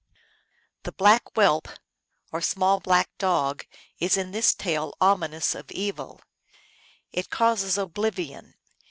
The black whelp or small black dog is in this tale ominous of evil. It causes oblivion.